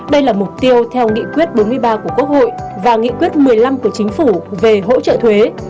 đây là mục tiêu theo nghị quyết bốn mươi ba của quốc hội và nghị quyết một mươi năm của chính phủ về hỗ trợ thuế